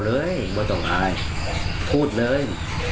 แล้วก็๔๐กว่านี่แค่นี้